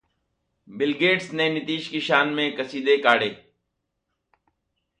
bill Gates ने नीतीश की शान में कसीदे काढ़े